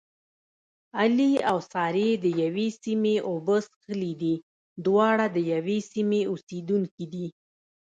علي او سارې دیوې سیمې اوبه څښلې دي. دواړه د یوې سیمې اوسېدونکي دي.